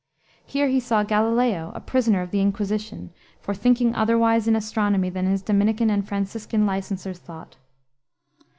Here he saw Galileo, a prisoner of the Inquisition "for thinking otherwise in astronomy than his Dominican and Franciscan licensers thought."